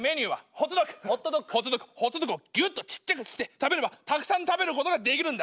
ホットドッグをギュッとちっちゃくして食べればたくさん食べることができるんだ。